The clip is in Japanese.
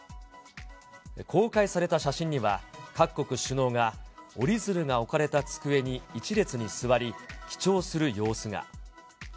公開された写真には、各国首脳が折り鶴が置かれた机に一列に座り、記帳する様子が。